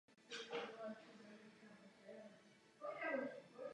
Státní vlajka má navíc ve středu kříže umístěn státní znak.